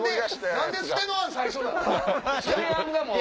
何で捨ての案最初なん？